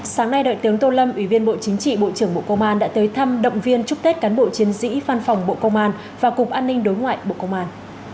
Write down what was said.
sáng nay đại tướng tô lâm ủy viên bộ chính trị bộ trưởng bộ công an đã tới thăm động viên chúc tết cán bộ chiến sĩ phan phòng bộ công an và cục an ninh đối ngoại bộ công an